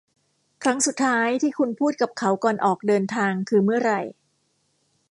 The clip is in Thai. ครั้งสุดท้ายที่คุณพูดกับเขาก่อนออกเดินทางคือเมื่อไหร่ ?